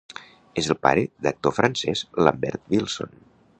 És el pare d'actor francès Lambert Wilson.